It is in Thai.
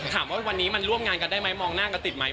ถามว่าวันนี้มันร่วมงานกันได้ไหมมองหน้ากันติดไหม